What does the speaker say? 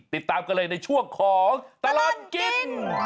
ติดตามกันเลยในช่วงของตลอดกิน